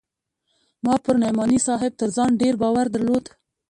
ما پر نعماني صاحب تر ځان ډېر باور درلود.